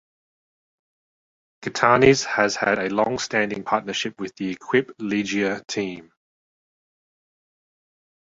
Gitanes has had a long standing partnership with the Equipe Ligier team.